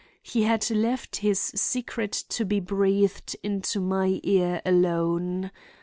He had left his secret to be breathed into my ear alone.